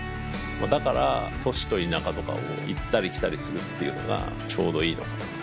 だから都市と田舎とかを行ったり来たりするっていうのがちょうどいいのかも。